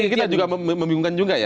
kita juga membingungkan juga ya